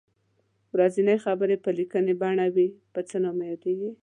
ورځنۍ خبرې په لیکنۍ بڼه وي په څه نامه یادیږي.